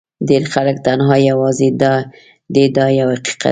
ډېر خلک تنها او یوازې دي دا یو حقیقت دی.